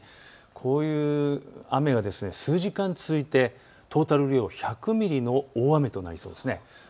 こういう雨が数時間続いてトータル雨量１００ミリの大雨となりそうです。